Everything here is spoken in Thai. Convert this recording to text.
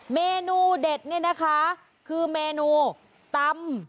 เมนูเด็ดเนี่ยนะคะคือเมนูตำ